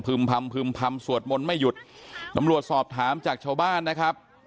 พำพึ่มพำสวดมนต์ไม่หยุดตำรวจสอบถามจากชาวบ้านนะครับ